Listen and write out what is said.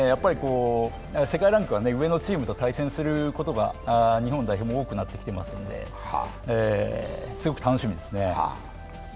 世界ランクが上のチームと対戦することが日本代表も多くなってきていますのですごく楽しみですね。